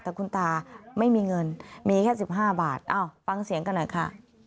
แต่คุณตาไม่มีเงินมีแค่๑๕บาทฟังเสียงกันหน่อยค่ะ